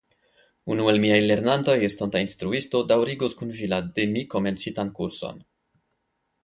Unu el miaj lernantoj, estonta instruisto, daŭrigos kun vi la de mi komencitan kurson.